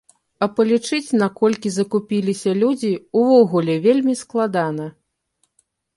А палічыць, наколькі закупіліся людзі, увогуле вельмі складана.